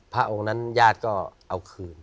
พระองค์นั้นญาติก็เอาคืน